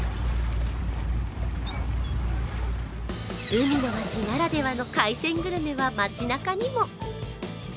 海の町ならではの海鮮グルメは町なかにも。